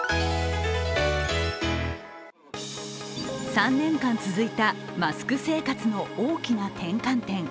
３年間続いたマスク生活の大きな転換点。